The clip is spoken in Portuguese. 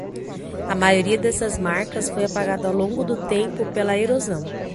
A maioria dessas marcas foi apagada ao longo do tempo pela erosão